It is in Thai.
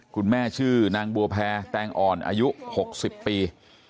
คุณแม่ชื่อนางบัวแพรแตงอ่อนอายุ๖๐ปี